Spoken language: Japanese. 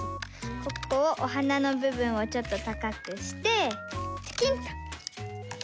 ここをおはなのぶぶんをちょっとたかくしてちょきんと！